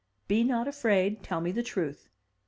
Be not afraid, tell me the truth.